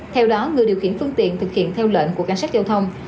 theo đó người điều khiển phương tiện thực hiện theo lệnh của cảnh sát giao thông